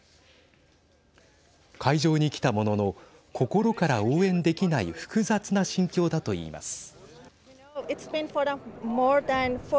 会場に来たものの心から応援できない複雑な心境だと言います。